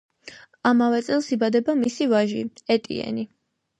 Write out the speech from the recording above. ამავე წელს იბადება მისი ვაჟი, ეტიენი.